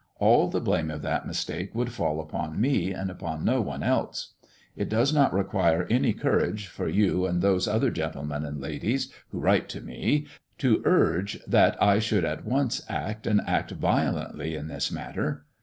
All the blame of that mistake would fall upon me and upon no one else. It does not require any courage for you and those other gentlemen and ladies who write to me, to urge that I should at once act, and act violently, in this matter.